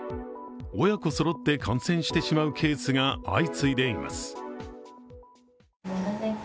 親子そろって感染してしまうケースが相次いでいます。